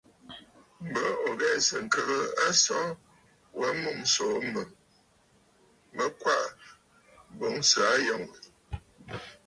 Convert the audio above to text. M̀bə ò ghɛ̂sə̀ ŋkəgə aso wa mûm ǹsòò mə kwaʼa boŋ sɨ̀ aa yənə!